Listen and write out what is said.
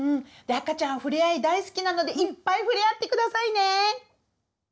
赤ちゃんふれあい大好きなのでいっぱいふれあってくださいね！